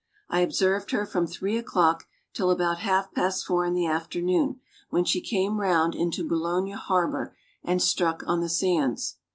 I observed her from three o'clock till about half past four in the afternoon, when she came round into Boulogne harbor and struck on the sands.